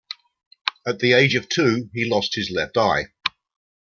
At the age of two, he lost his left eye.